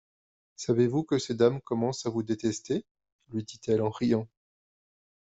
Savez-vous que ces dames commencent à vous détester ? lui dit-elle en riant.